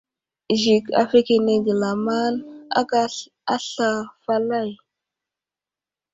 Zik afəkenege lamaŋd aka asla falay.